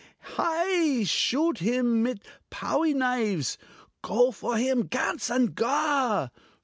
Hei! Shoot him mit a powie knifes; Go for him, ganz and gar!